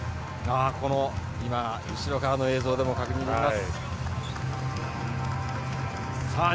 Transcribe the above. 後ろからの映像でも確認できます。